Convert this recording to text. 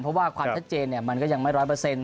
เพราะว่าความชัดเจนมันก็ยังไม่ร้อยเปอร์เซ็นต